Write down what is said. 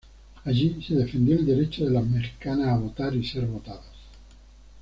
Allí, se defendió el derecho de las mexicanas a votar y ser votadas.